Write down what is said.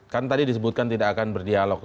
kan tadi disebutkan tidak akan berdialog